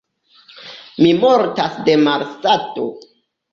Mi mortas de malsato!